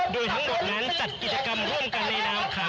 โดยทั้งหมดนั้นจัดกิจกรรมร่วมกันในนามเขา